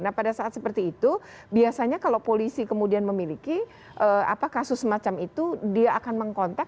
nah pada saat seperti itu biasanya kalau polisi kemudian memiliki kasus semacam itu dia akan mengkontak